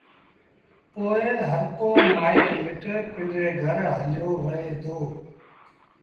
پو هرڪو مآئيٽ مٽ پنڊري گھر هليو وهي دو